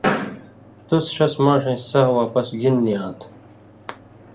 تُس ݜس ماݜَیں سہہۡ واپس گِنہۡ نی آں تھہ